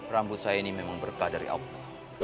rambut saya ini memang berkah dari allah